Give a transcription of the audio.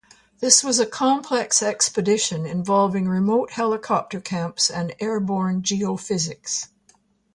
This was a complex expedition involving remote helicopter camps and airborne geophysics.